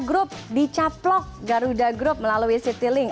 grup di caplock garuda group melalui citilink